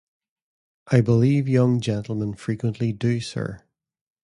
I believe young gentlemen frequently do, sir.